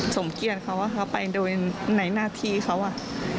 สมเกียรติเขาว่าเขาไปโดยไหนนาทีเขาอะ